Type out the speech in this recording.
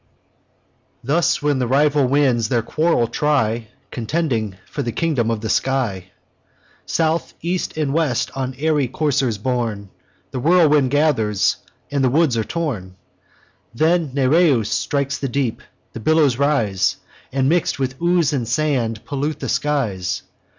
"Thus, when the rival winds their quarrel try, Contending for the kingdom of the sky, South, east, and west, on airy coursers borne; The whirlwind gathers, and the woods are torn: Then Nereus strikes the deep; the billows rise, And, mix'd with ooze and sand, pollute the skies.